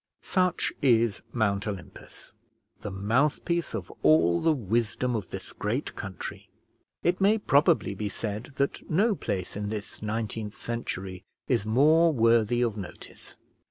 Such is Mount Olympus, the mouthpiece of all the wisdom of this great country. It may probably be said that no place in this 19th century is more worthy of notice.